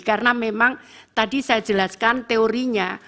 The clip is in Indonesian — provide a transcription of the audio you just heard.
karena memang tadi saya jelaskan teorinya